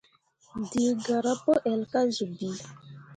Dǝǝ garah pu ell kah zun bii.